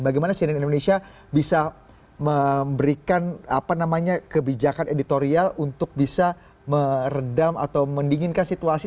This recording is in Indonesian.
bagaimana cnn indonesia bisa memberikan kebijakan editorial untuk bisa meredam atau mendinginkan situasi